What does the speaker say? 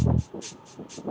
saya cuma mau tidur